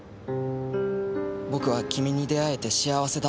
「僕は君に出会えて幸せだった」と。